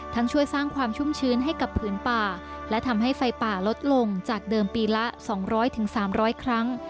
ช่วยสร้างความชุ่มชื้นให้กับผืนป่าและทำให้ไฟป่าลดลงจากเดิมปีละ๒๐๐๓๐๐ครั้ง